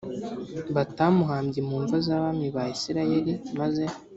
batamuhambye mu mva z abami ba isirayeli maze